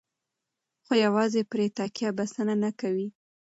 خو یوازې پرې تکیه بسنه نه کوي.